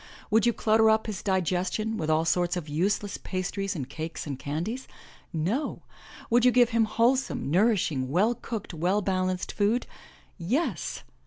Would you clutter up his digestion with all sorts of useless pastries and cakes and candies? No! Would you give him wholesome, nourishing, well cooked, well balanced food? Yes!